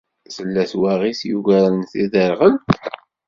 Tella twaɣit yugaren tidderɣelt?